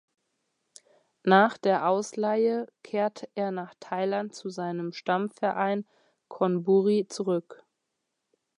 Nach der Ausleihe kehrte er nach Thailand zu seinem Stammverein Chonburi zurück.